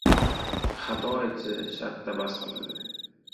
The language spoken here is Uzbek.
Xato aytsa, shartta bas qiladi.